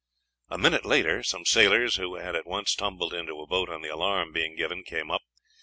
A minute later some sailors, who had at once tumbled into a boat on the alarm being given, came up.